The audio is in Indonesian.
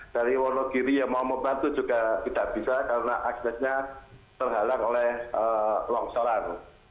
dari wonogiri yang mau membantu juga tidak bisa karena aksesnya terhalang oleh longsoran